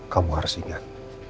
kamu harus ingat